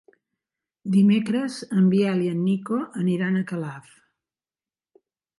Dimecres en Biel i en Nico iran a Calaf.